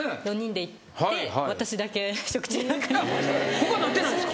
他はなってないんですか？